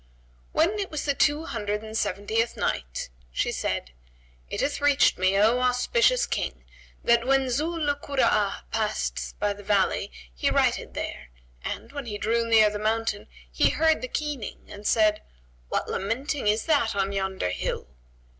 When it was the Two Hundred and Seventieth Night, She said, It hath reached me, O auspicious King, that when Zu 'l Kura'a passed by the valley he righted there, and, when he drew near the mountain, he heard the keening and said, "What lamenting is that on yonder hill?"